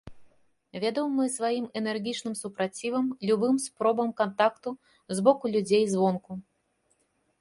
Вядомыя сваім энергічным супрацівам любым спробам кантакту з боку людзей звонку.